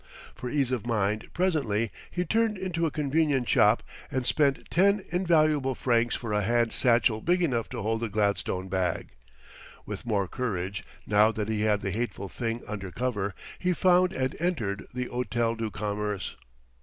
For ease of mind, presently, he turned into a convenient shop and spent ten invaluable francs for a hand satchel big enough to hold the gladstone bag. With more courage, now that he had the hateful thing under cover, he found and entered the Hôtel du Commerce.